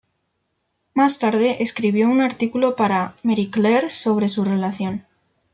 Más tarde escribió un artículo para "Marie Claire" sobre su relación.